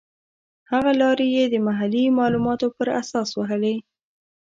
هغه لیارې یې د محلي معلوماتو پر اساس وهلې.